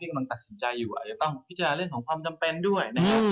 กำลังตัดสินใจอยู่อาจจะต้องพิจารณาเรื่องของความจำเป็นด้วยนะครับ